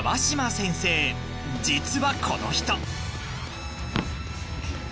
［実はこの人］